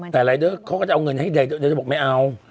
แต่รายเดอร์เขาก็จะเอาเงินให้รายเดอร์บอกไม่เอา